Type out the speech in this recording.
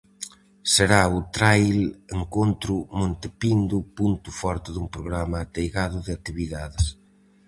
Será o trail encontro Monte Pindo o punto forte dun programa ateigado de actividades.